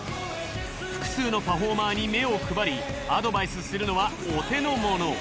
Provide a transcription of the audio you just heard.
複数のパフォーマーに目を配りアドバイスするのはお手のもの。